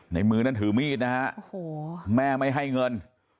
ในมือนั้นถือมีดนะฮะโอ้โหแม่ไม่ให้เงิน